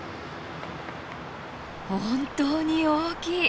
本当に大きい！